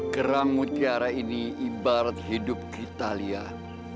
kerang mutiara ini ibarat hidup kita leah